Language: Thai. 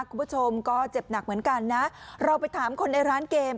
คุณผู้ชมก็เจ็บหนักเหมือนกันนะเราไปถามคนในร้านเกม